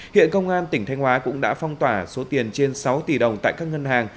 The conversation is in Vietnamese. hiện công an tỉnh thanh hóa cũng đã phong tỏa số tiền trên sáu tỷ đồng tại các ngân hàng